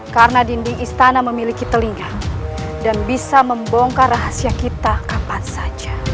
karena dinding istana memiliki telinga dan bisa membongkar rahasia kita kapan saja